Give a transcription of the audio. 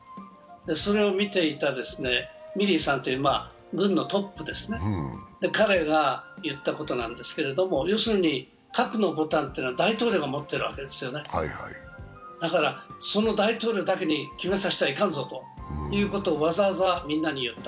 それを見ていたミリーさんは軍のトップですね、彼が言ったことなんですけれども、要するに核のボタンというのは大統領が持っているわけですよねだからその大統領だけに決めさせてはいかんぞということをわざわざみんなに言った。